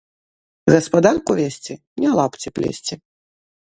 Гаспадарку весці ‒ не лапці плесці